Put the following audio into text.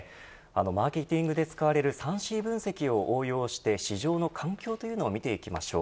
マーケティングで使われる３Ｃ分析を応用して市場の環境というのを見ていきましょう。